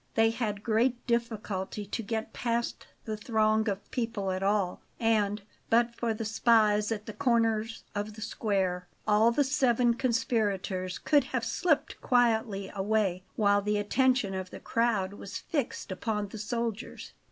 They had great difficulty to get past the throng of people at all, and, but for the spies at the corners of the square, all the seven conspirators could have slipped quietly away while the attention of the crowd was fixed upon the soldiers.